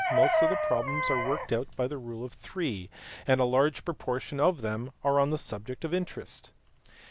Most of the problems are worked out by the rule of three, and a large proportion of them are on the subject of interest.